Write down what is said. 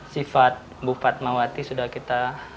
sifat bu fatmawati sudah kita